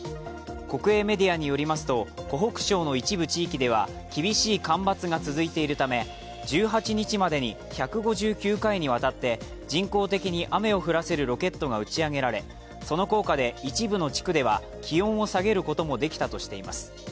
国営メディアによりますと、湖北省の一部地域では厳しい干ばつが続いているため１８日までに１５９回にわたって人工的に雨を降らせるロケットが打ち上げられその効果で一部の地区では気温を下げることもできたとしています。